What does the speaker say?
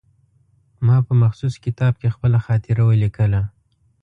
ما په مخصوص کتاب کې خپله خاطره ولیکله.